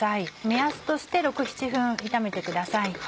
目安として６７分炒めてください。